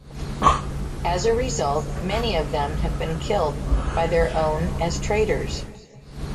As a result, many of them have been killed by their own as traitors.